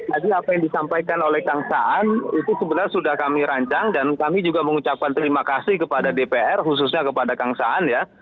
jadi apa yang disampaikan oleh kang saan itu sebenarnya sudah kami rancang dan kami juga mengucapkan terima kasih kepada dpr khususnya kepada kang saan ya